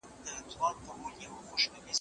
سفر په خیر پای ته ورسید.